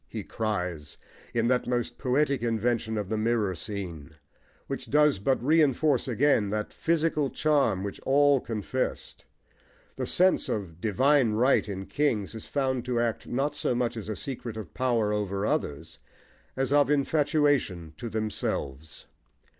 he cries, in that most poetic invention of the mirror scene, which does but reinforce again that physical charm which all confessed. The sense of "divine right" in kings is found to act not so much as a secret of power over others, as of infatuation to themselves.